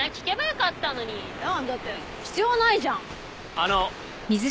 あの。